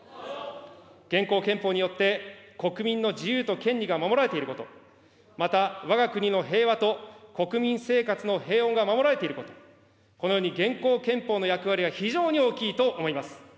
現行憲法によって、国民の自由と権利が守られていること、また、わが国の平和と国民生活の平穏が守られていること、このように現行憲法の役割は非常に大きいと思います。